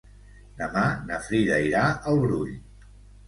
Demà na Frida irà al Brull.